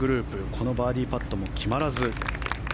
このバーディーパットも決まらず。